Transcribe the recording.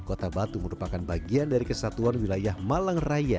kota batu merupakan bagian dari kesatuan wilayah malang raya